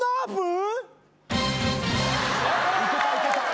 いけたいけた。